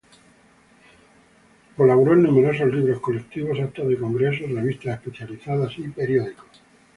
Colaboró en numerosos libros colectivos, actas de congresos, revistas especializadas y periódicos.